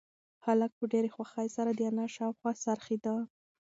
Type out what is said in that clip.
هلک په ډېرې خوښۍ سره د انا شاوخوا څرخېده.